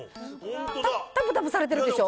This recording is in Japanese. たぷたぷされてるでしょ。